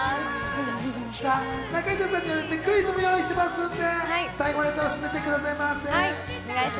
中条さんにはクイズも用意していますので最後まで楽しんでいってくださいませね。